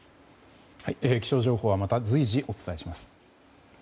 気象情報は随時お伝えします。